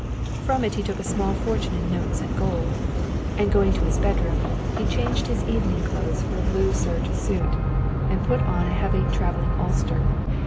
From it he took a small fortune in notes and gold, and going to his bedroom he changed his evening clothes for a blue serge suit and put on a heavy travelling ulster.